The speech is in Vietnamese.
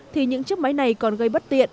thì những chiếc máy này còn gây bất tiện